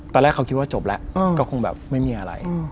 ตอนแรกเขาคิดว่าจบแล้วก็คงแบบไม่มีอะไร